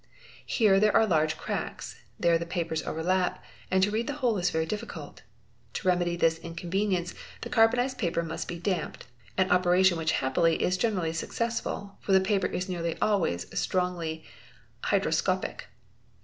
Here there are large cracks; there the papers — overlap, and to read the whole is very difficult. To remedy this incon | venience the carbonised paper must be damped, an operation which happily is generally successful, for the paper is nearly always strongly hydroscopic.